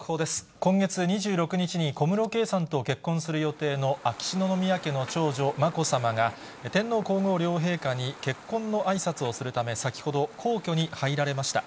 今月２６日に小室圭さんと結婚する予定の秋篠宮家の長女、まこさまが、天皇皇后両陛下に結婚のあいさつをするため、先ほど、皇居に入られました。